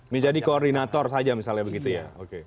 menjadi koordinator saja misalnya begitu ya